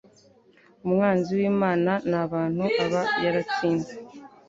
umwanzi w'Imana n'abantu aba yaratsinze.